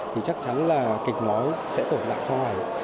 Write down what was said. thì chắc chắn là kịch nói sẽ tổn lại sau này